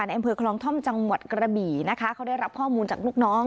อำเภอคลองท่อมจังหวัดกระบี่นะคะเขาได้รับข้อมูลจากลูกน้อง